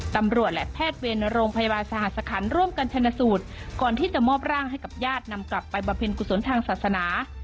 ตำรวจและแพทย์เวรโรงพยาบาลสหสคันร่วมกันชนสูตรก่อนที่จะมอบร่างให้กับญาตินำกลับไปบำเพ็ญกุศลทางศาสนา